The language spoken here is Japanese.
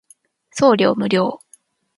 送料無料